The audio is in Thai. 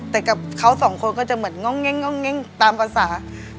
แต่กับเขาสองคนก็จะเหมือนง่องตามภาษา